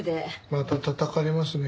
またたたかれますね。